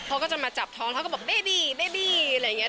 เขาก็จะมาจับท้องเขาก็บอกเบบี้เบบี้อะไรอย่างนี้